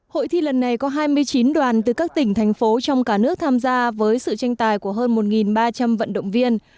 hội thi lần này có hai mươi chín đoàn từ các tỉnh thành phố trong cả nước tham gia với sự tranh tài của hơn một ba trăm linh vận động viên